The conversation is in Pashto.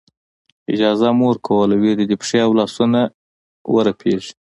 اجازه مه ورکوه له وېرې دې پښې او لاسونه ورپېږي.